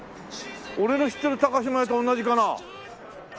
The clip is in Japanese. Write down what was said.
俺の知ってる島屋と同じかな？